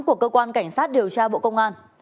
của cơ quan cảnh sát điều tra bộ công an